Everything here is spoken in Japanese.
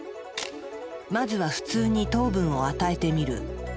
まずは普通に糖分を与えてみる。